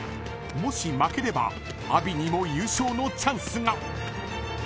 ［もし負ければ阿炎にも優勝のチャンスが］